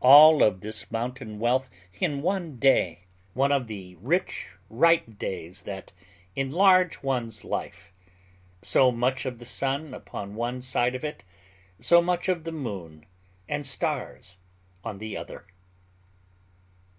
All of this mountain wealth in one day!—one of the rich ripe days that enlarge one's life; so much of the sun upon one side of it, so much of the moon and stars on the other.